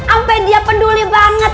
ampe dia penduli banget